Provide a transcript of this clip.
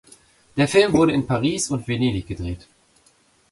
Der Film wurde in Paris und Venedig gedreht.